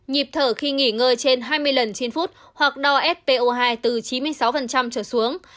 nhịp thở khi nghỉ ngơi trên hai mươi lần trên phút hoặc đo s po hai từ chín mươi sáu trở xuống